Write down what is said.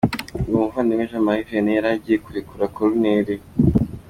Ubwo Muvandimwe Jean Marie Vianney yari agiye kurekura koruneri.